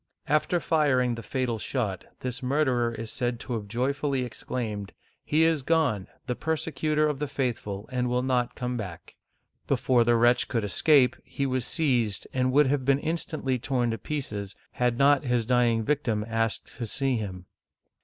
After firing the fatal shot, this murderer is said to have joyfully exclaimed, " He is gone, the persecutor of the faithful, and will not come back !" Before the wretch could escape, he was seized, and would .have been instantly torn to pieces, had not his dying victim asked to see him.